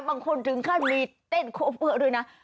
บางคนถึงขั้นมีเต้นโคเวอร์ด้วยนะ